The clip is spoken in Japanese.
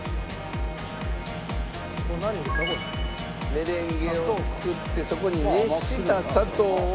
メレンゲを作ってそこに熱した砂糖を。